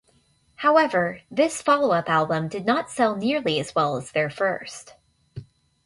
However, this follow-up album did not sell nearly as well as their first.